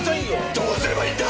どうすればいいんだ！